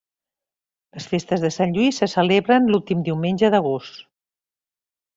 Les festes de Sant Lluís se celebren l'últim diumenge d'agost.